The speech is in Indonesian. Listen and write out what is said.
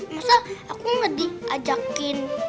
masa aku nggak diajakin